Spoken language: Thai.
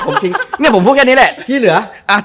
เนี่ยผมพูดแค่นี้แหละที่เหลือ